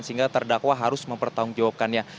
sehingga terdakwa harus mempertanggungjawabkannya